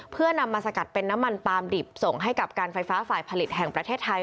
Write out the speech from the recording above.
เพื่อนำมาสกัดเป็นน้ำมันปลามดิบส่งให้กับการไฟฟ้าฝ่ายผลิตแห่งประเทศไทย